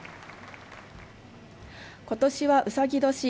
今年はうさぎ年。